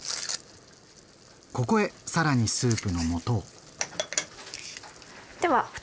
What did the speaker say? ここへ更にスープの素を。